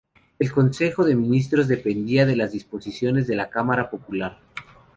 El Consejo de Ministros dependía de las decisiones de la Cámara Popular.